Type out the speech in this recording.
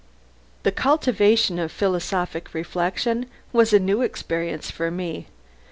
The cultivation of philosophic reflection was a new experience for me.